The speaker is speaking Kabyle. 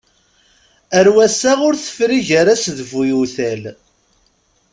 Ar wass-a ur tefri gar-as d bu yiwtal.